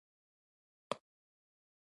حمزه بابا پخپله د غزل بابا ګڼلی شو